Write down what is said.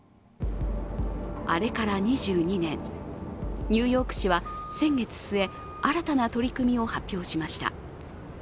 あれから２２年、ニューヨーク市は先月末、新たな取り組みを発表しました。